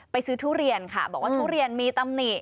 ซื้อทุเรียนค่ะบอกว่าทุเรียนมีตำหนิ